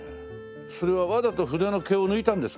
それはわざと筆の毛を抜いたんですか？